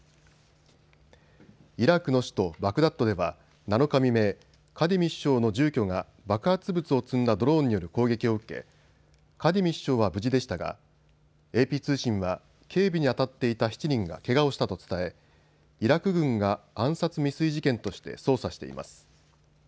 イラクの首都バグダッドでは７日未明、カディミ首相の住居が爆発物を積んだドローンによる攻撃を受け、カディミ首相は無事でしたがＡＰ通信は警備にあたっていた７人がけがをしたと伝えイラク軍が暗殺未遂事件として捜査しています。